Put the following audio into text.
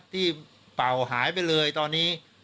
เป่าหายไปเลยตอนนี้